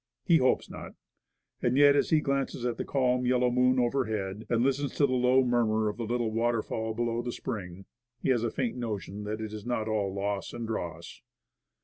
He hopes not. And yet, as he glances at the calm yellow moon overhead, and listens to the low murmur of the little waterfall below the spring, he has a faint notion that it is not all loss and dross.